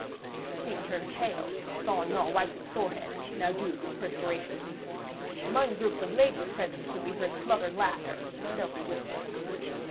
The king turned pale; Saint Aignan wiped his forehead, now dewed with perspiration. Among the groups of ladies present could be heard smothered laughter and stealthy whispers.